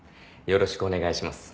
よろしくお願いします。